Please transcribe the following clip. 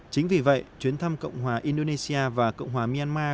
chính vì vậy chuyến thăm cộng hòa indonesia và cộng hòa myanmar